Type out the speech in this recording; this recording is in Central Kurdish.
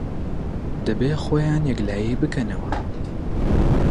دەبێ خۆیان یەکلایی بکەنەوە